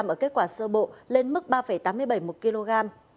ở kết quả sơ bộ lên mức ba tám mươi bảy một kg